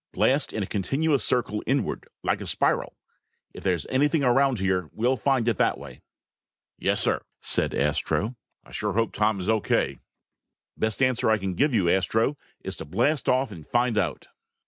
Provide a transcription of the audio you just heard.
Blast in a continuous circle inward, like a spiral. If there's anything around here, we'll find it that way." "Yes, sir," said Astro. "I sure hope Tom is O.K." "Best answer I can give you. Astro, is to blast off and find out."